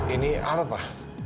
ini apa pak